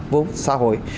vốn xã hội